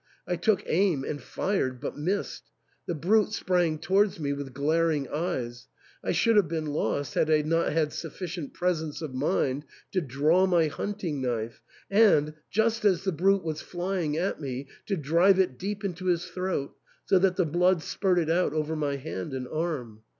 I took aim, and fired, but missed. The brute sprang towards me with glaring eyes ; I should have been lost had I not had suflicient presence of mind to draw my hunting knife, and, just as the brute was flying at me, to drive it deep into his throat, so that the blood spurted out over my hand and arm.